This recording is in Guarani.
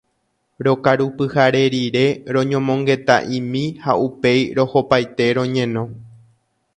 Rokarupyhare rire roñomongeta'imi ha upéi rohopaite roñeno.